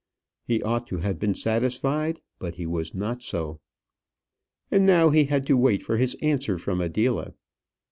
He ought to have been satisfied; but he was not so. And now he had to wait for his answer from Adela.